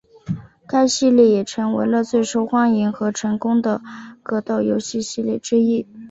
该系列也成为了最受欢迎和成功的格斗游戏系列之一。